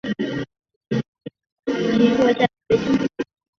第三世措尼仁波切主要上师之一的阿德仁波切及亦在其座下学习。